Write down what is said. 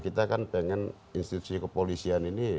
kita kan pengen institusi kepolisian ini